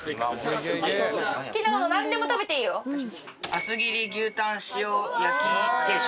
厚切り牛タン塩焼定食。